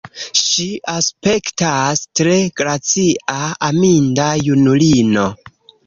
Ŝi aspektas tre gracia, aminda junulino.